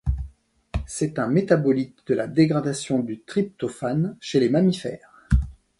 C'est un métabolite de la dégradation du tryptophane chez les mammifères.